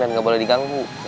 dan gak boleh diganggu